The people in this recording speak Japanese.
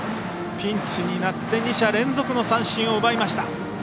ピンチになって２者連続の三振を奪いました。